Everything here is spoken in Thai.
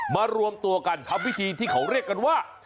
รวมตัวกันทำพิธีที่เขาเรียกกันว่า